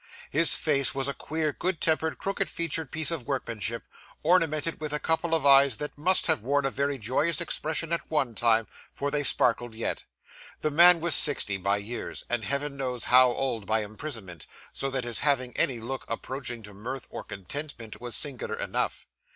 His face was a queer, good tempered, crooked featured piece of workmanship, ornamented with a couple of eyes that must have worn a very joyous expression at one time, for they sparkled yet. The man was sixty, by years, and Heaven knows how old by imprisonment, so that his having any look approaching to mirth or contentment, was singular enough.